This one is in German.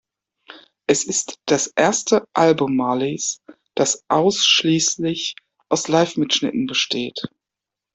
Es ist das erste Album Marleys, das ausschließlich aus Livemitschnitten besteht.